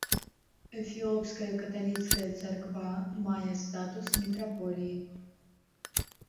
Эфіопская каталіцкая царква мае статус мітраполіі.